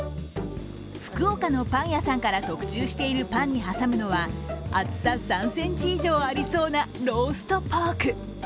福岡のパン屋さんから特注しているパンに挟むのは厚さ３ｃｍ以上ありそうなローストポーク。